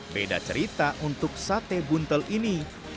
beda cerita untuk sate buntel ini